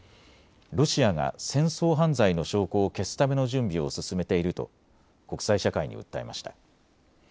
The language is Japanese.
ロシアが戦争犯罪の証拠を消すための準備を進めていると国際社会に訴えました。